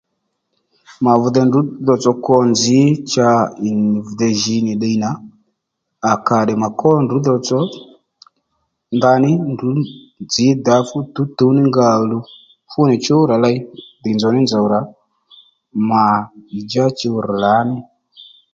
Mà vi dey ndrǔ tsotso kwo nzǐ cha ì vi dey jǐ nì ddiy nà à kà tdè mà kwó ndrǔ tsotso ndaní ndrǔ nzǐ dǎ fú tuwtuw ní nga ò luw fúnì chú rà ley dhì nzòw ní nzòw rà mà ì já chuw rr lǎní